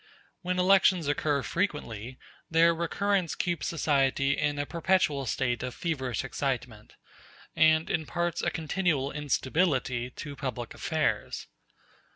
When elections occur frequently, their recurrence keeps society in a perpetual state of feverish excitement, and imparts a continual instability to public affairs.